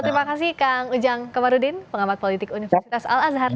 terima kasih kang ujang komarudin pengamat politik universitas al azhar